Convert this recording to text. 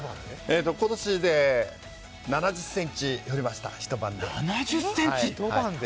今年で７０ｃｍ降りました一晩で。